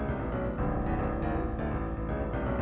aku nyari kertas sama pulpen dulu ya